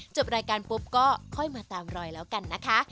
จบรายการปุ๊บก็ค่อยมาตามรอยแล้วกันนะคะ